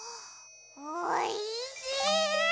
おいしい！